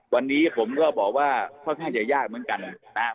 วันนี้ผมก็บอกว่าเพราะฉะนั้นจะยากเหมือนกันนะครับ